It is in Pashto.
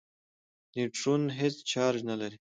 نیوټرون هېڅ چارج نه لري.